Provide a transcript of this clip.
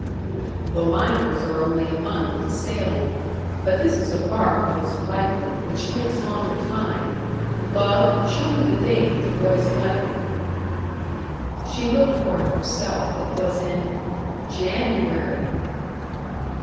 "The liners are only a month in sailing; but this is a barque most likely, which takes longer time. Love, show me the date of the boy's letter." She looked for it herself. It was in JANUARY!